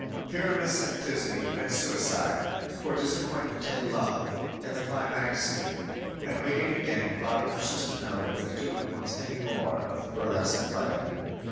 "_ Pyramus and Thisby commit suicide, for disappointment in love, in the climax scene, and waking again Bottom wishes to know if the Duke wants any more of the burlesque play.